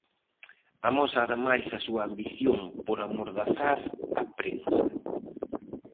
Amosa ademais a súa ambición por amordazar a prensa.